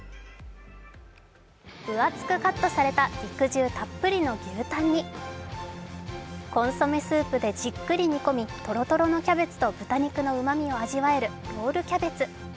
分厚くカットされた肉汁たっぷりの牛タンにコンソメスープでじっくり煮込みとろとろのキャベツと豚肉のうまみを味わえるロールキャベツ。